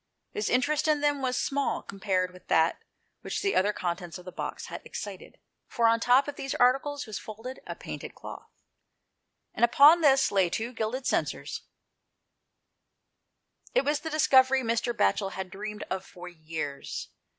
His interest in them was small compared with that which the other contents of the box had excited, for on the top of these articles was folded " a paynted cloth," and upon this lay the two gilded censers. 167 GHOST TALES. It was the discovery Mr. Batchel had dreamed of for years.